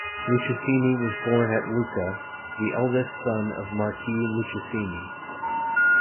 Lucchesini was born at Lucca, the eldest son of Marquis Lucchesini.